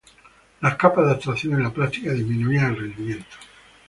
Las capas de abstracción, en la práctica, disminuían el rendimiento.